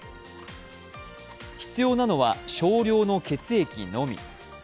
必要なのは少量の血液のみ。